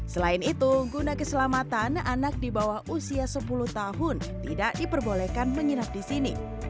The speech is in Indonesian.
selain itu guna keselamatan anak di bawah usia sepuluh tahun tidak diperbolehkan menginap di sini